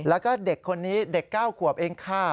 แล้วก็เด็กคนนี้เด็ก๙ขวบเองค่ะ